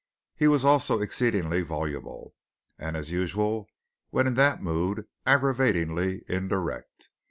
He was also exceedingly voluble; and, as usual when in that mood, aggravatingly indirect.